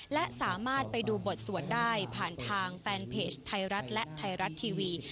และสามารถไปดูบทสวดได้ผ่านทางแฟนเพจไทยรัฐและไทยรัฐทีวี